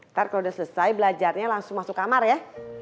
ntar kalau udah selesai belajarnya langsung masuk kamar ya